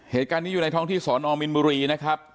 เหตุการณ์นี้อยู่ในท้องที่สอนอมินบุรีนะครับ